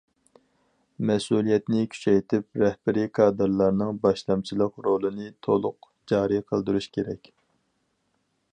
مەسئۇلىيەتنى كۈچەيتىپ، رەھبىرىي كادىرلارنىڭ باشلامچىلىق رولىنى تولۇق جارى قىلدۇرۇش كېرەك.